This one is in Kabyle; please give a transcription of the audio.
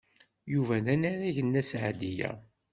Yuba d anarag n Nna Seɛdiya.